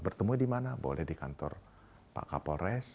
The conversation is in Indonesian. bertemu dimana boleh di kantor pak kapolres